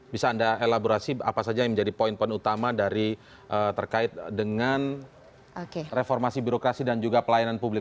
bisa anda elaborasi apa saja yang menjadi poin poin utama dari terkait dengan reformasi birokrasi dan juga pelayanan publik